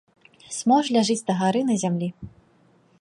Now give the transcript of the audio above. Смоўж ляжыць дагары на зямлі.